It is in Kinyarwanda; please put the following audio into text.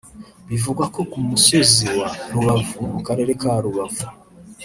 Bivugwa ko ku musozi wa Rubavu (mu Karere ka Rubavu